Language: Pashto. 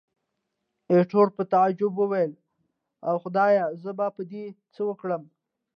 ایټور په تعجب وویل، اوه خدایه! زه به په دې څه وکړم.